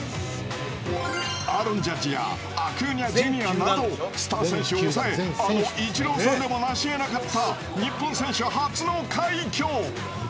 アーロン・ジャッジやアクーニャＪｒ．などスター選手を抑えあのイチローさんでもなし得なかった日本選手初の快挙。